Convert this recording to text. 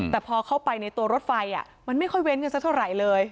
แต่พอเข้าไปในตัวรถไฟมันไม่ค่อยเว้นกันสักเท่าไหร่เลย